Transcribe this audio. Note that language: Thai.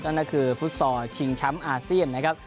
นั่นก็คือฟุตซอลชิงแชมป์อาเซียนนะครับ